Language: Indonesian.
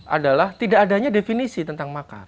adalah tidak adanya definisi tentang makar